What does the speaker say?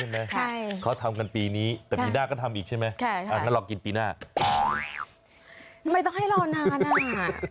ไม่ต้องให้รอนาน